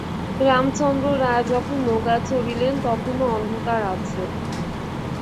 রামচন্দ্র রায় যখন নৌকায় চড়িলেন তখনো অন্ধকার আছে।